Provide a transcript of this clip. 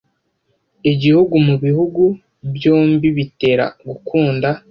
igihugu mu bihugu byombibitera gukunda